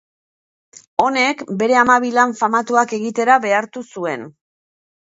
Honek bere hamabi lan famatuak egitera behartu zuen.